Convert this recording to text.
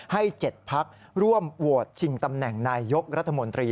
ให้๗พักร่วมโหวตชิงตำแหน่งนายยกรัฐมนตรี